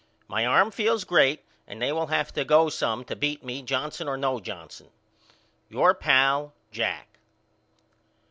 My arm feels great and they will have to go some to beat me Johnson or no Johnson. Your pal, JACK.